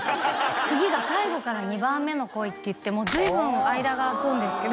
次が「最後から二番目の恋」っていってもう随分間があくんですけどあ！